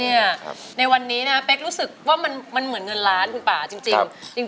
ในวันนี้นะเป๊กรู้สึกว่ามันเหมือนเงินล้านคุณป่าจริง